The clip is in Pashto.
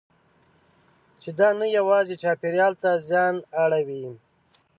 چې دا نه یوازې چاپېریال ته زیان اړوي.